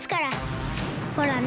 ほらね。